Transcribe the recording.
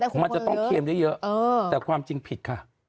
ของมันจะต้องเค็มได้เยอะแต่ความจริงผิดค่ะ